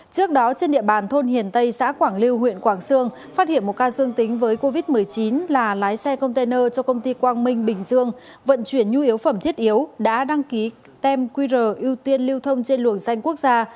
trước đó trên địa bàn thôn hiền tây xã quảng lưu huyện quảng sương phát hiện một ca dương tính với covid một mươi chín là lái xe container cho công ty quang minh bình dương vận chuyển nhu yếu phẩm thiết yếu đã đăng ký tem qr ưu tiên lưu thông trên luồng danh quốc gia